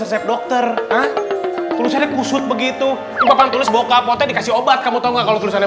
resep dokter tulisannya kusut begitu tulis boka poten dikasih obat kamu tahu kalau tulisannya